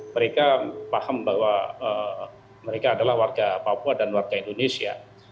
mereka paham bahwa mereka adalah warga papua dan warga indonesia